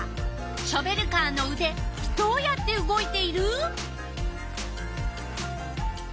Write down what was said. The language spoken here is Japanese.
ショベルカーのうでどうやって動いている？